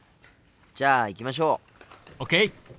じゃあ行きましょう！ＯＫ！